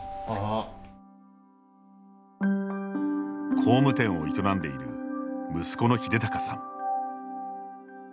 工務店を営んでいる息子の秀高さん。